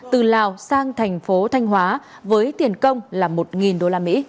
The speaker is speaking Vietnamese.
từ lào sang thành phố thanh hóa với tiền công là một usd